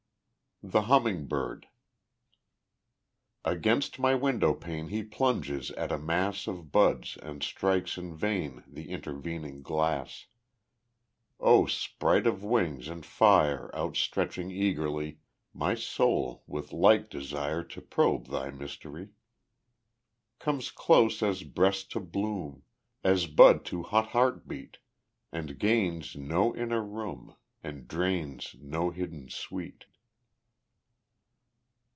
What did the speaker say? The Humming Bird Against my window pane He plunges at a mass Of buds and strikes in vain The intervening glass. O sprite of wings and fire Outstretching eagerly, My soul with like desire To probe thy mystery, Comes close as breast to bloom, As bud to hot heart beat, And gains no inner room, And drains no hidden sweet.